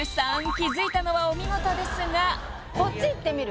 気づいたのはお見事ですがこっちいってみる？